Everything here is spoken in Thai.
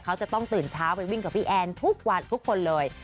เขาจะต้องตื่นเช้าไปวิ่งกับพี่แอนทุกวันทุกคนเลย